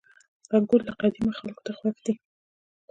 • انګور له قديمه خلکو ته خوښ دي.